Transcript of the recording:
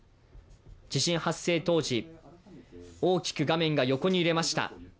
地震発生当時、大きく画面が横に揺れました。